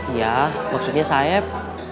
iya maksudnya saeb